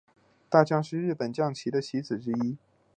大将是日本将棋的棋子之一。